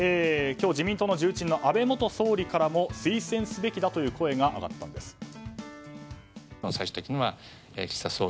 今日、自民党の重鎮の安倍元総理からも推薦すべきだという声が上がったんです。